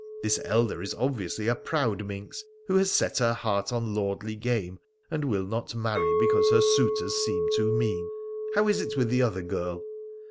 This elder is obviously a proud minx, who has set her heart on lordly game, and will not marry because her suitors seem too mean. How is it with the other girl